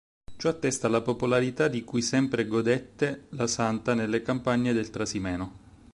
Ciò attesta la popolarità di cui sempre godette la santa nelle campagne del Trasimeno.